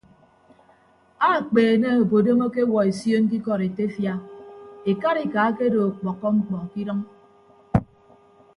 Akpeene obodom akewuọ esion ke ikọdetefia ekarika akedo ọkpọkkọ mkpọ ke idʌñ.